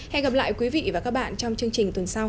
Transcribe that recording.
hẹn gặp lại quý vị và các bạn trong chương trình tuần sau